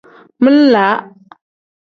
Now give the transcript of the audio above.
Min-laa.